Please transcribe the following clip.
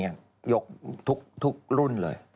ยกทุกรุ่นเลย